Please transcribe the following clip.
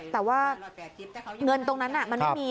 แต่ว่าเงินตรงนั้นมันไม่มี